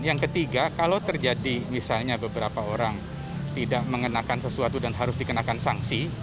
yang ketiga kalau terjadi misalnya beberapa orang tidak mengenakan sesuatu dan harus dikenakan sanksi